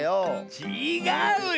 ちがうよ！